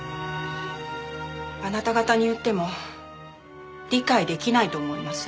あなた方に言っても理解できないと思います。